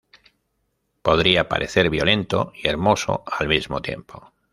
Podría parecer violento y hermoso al mismo tiempo.